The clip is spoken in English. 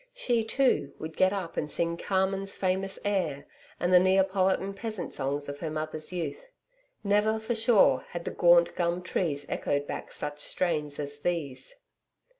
She, too, would get up and sing CARMEN'S famous air, and the Neapolitan peasant songs of her mother's youth. Never, for sure, had the gaunt gum trees echoed back such strains as these.